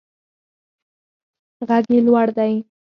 غږ یې لوړ دی.